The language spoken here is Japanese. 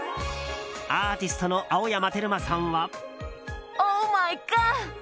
アーティストの青山テルマさんは。